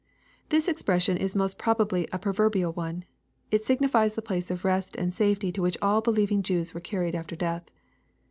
] This expression is most probably a proverbial one. It signifies the place of rest and safety to which all believing Jews were carried after death.